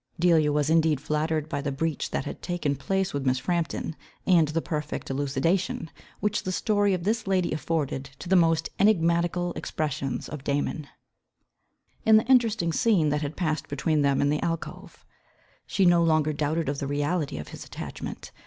Delia was indeed flattered by the breach that had taken place with Miss Frampton, and the perfect elucidation, which the story of this lady afforded to the most enigmatical expressions of Damon, in the interesting scene that had passed between them in the alcove. She no longer doubted of the reality of his attachment.